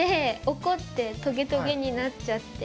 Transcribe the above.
怒ってトゲトゲになっちゃって。